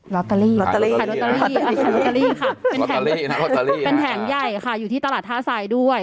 และลอตเตอรี่แต่เป็นแถมใหญ่ค่ะอยู่ที่ตลาดท้าทรายด้วย